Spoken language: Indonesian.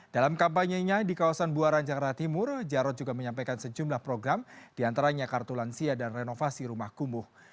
dalam kampanyenya di kawasan buaran jakarta timur jarod juga menyampaikan sejumlah program diantaranya kartu lansia dan renovasi rumah kumuh